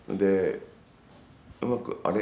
うまく、あれ？